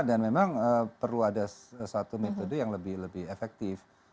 dan memang perlu ada satu metode yang lebih efektif